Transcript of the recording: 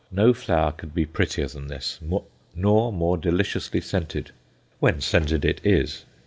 No flower could be prettier than this, nor more deliciously scented when scented it is!